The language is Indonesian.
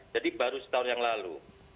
jadi baru setahun yang lalu